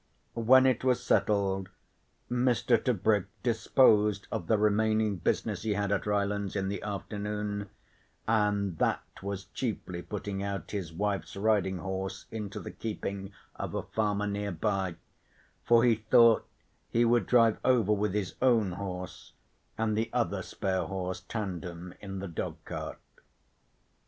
When it was settled, Mr. Tebrick disposed of the remaining business he had at Rylands in the afternoon, and that was chiefly putting out his wife's riding horse into the keeping of a farmer near by, for he thought he would drive over with his own horse, and the other spare horse tandem in the dogcart.